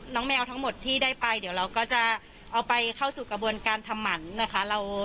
แมวทั้งหมดที่ได้ไปเดี๋ยวเราก็จะเอาไปเข้าสู่กระบวนการทำหมันนะคะ